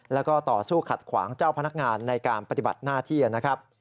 แล้วก็ต่อสู้ขัดขวางเจ้าพนักงานในการปฏิบัติหน้าที่นะครับ